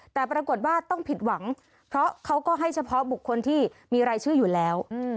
แต่ปรากฏว่าต้องผิดหวังเพราะเขาก็ให้เฉพาะบุคคลที่มีรายชื่ออยู่แล้ว